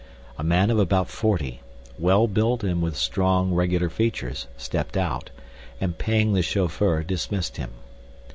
A man of about forty, well built and with strong, regular features, stepped out, and paying the chauffeur dismissed him.